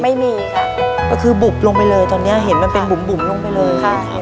ไม่มีค่ะก็คือบุบลงไปเลยตอนเนี้ยเห็นมันเป็นบุ๋มลงไปเลยใช่ครับ